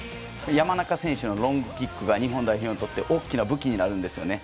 山中選手のロングキックが日本代表にとって大きな武器になるんですよね。